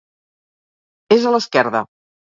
És a l'Esquerda.